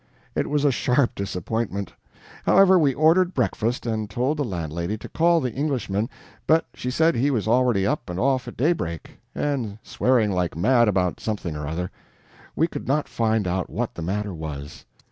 It was a sharp disappointment. However, we ordered breakfast and told the landlady to call the Englishman, but she said he was already up and off at daybreak and swearing like mad about something or other. We could not find out what the matter was.